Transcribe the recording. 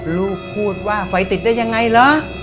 ลูกพูดว่าไฟติดได้ยังไงเหรอ